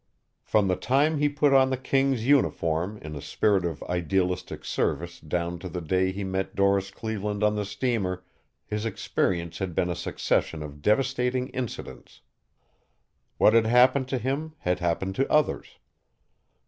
From the time he put on the king's uniform in a spirit of idealistic service down to the day he met Doris Cleveland on the steamer, his experience had been a succession of devastating incidents. What had happened to him had happened to others.